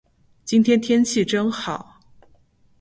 今天天气真好。